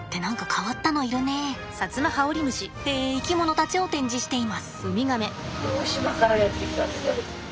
え生き物たちを展示しています。